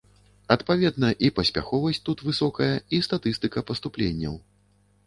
Адпаведна, і паспяховасць тут высокая, і статыстыка паступленняў.